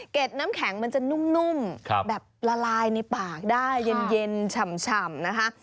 น้ำแข็งมันจะนุ่มแบบละลายในปากได้เย็นฉ่ำนะคะ